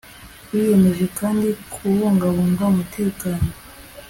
wiyemeje kandi kubungabunga umutekano